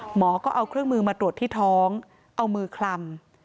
หมอก็เอาเครื่องมือมาตรวจที่ท้องเอามือคลำ